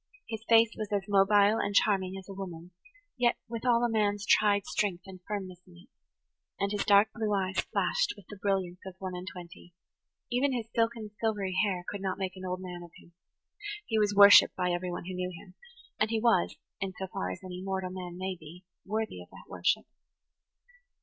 His face was as mobile and charming as a woman's, yet with all a man's tried strength and firmness in it, and his dark blue eyes flashed with the brilliance of one and twenty; even his silken silvery hair could not make an old man of him. He was worshipped by everyone who knew him, and he was, in so far as mortal man may be, worthy of that worship.